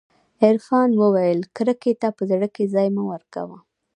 عرفان وويل کرکې ته په زړه کښې ځاى مه ورکوه.